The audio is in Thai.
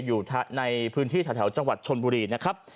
อยู่ในพื้นที่แถวจังหวัดชนบุรีนะครับ